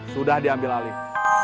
sudah diambil alih